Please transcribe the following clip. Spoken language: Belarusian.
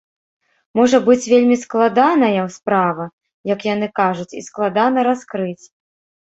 Можа быць, вельмі складаная справа, як яны кажуць, і складана раскрыць.